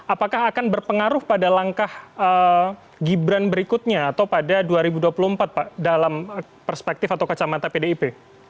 apakah akan berpengaruh pada langkah gibran berikutnya atau pada dua ribu dua puluh empat pak dalam perspektif atau kacamata pdip